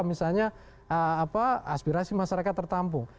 misalnya aspirasi masyarakat tertampung